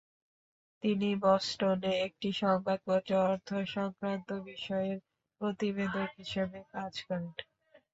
তিনি বস্টনে একটি সংবাদপত্রে অর্থ সংক্রান্ত বিষয়ের প্রতিবেদক হিসেবে কাজ করেন।